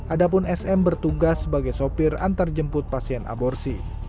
ada pun sm bertugas sebagai sopir antarjemput pasien aborsi